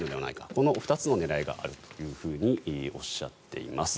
この２つの狙いがあるとおっしゃっています。